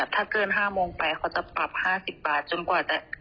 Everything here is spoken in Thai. ถ้าเกิน๕โมงเขาจะปรับ๕๐บาท